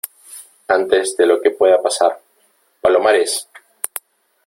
antes de lo que pueda pasar .¡ palomares !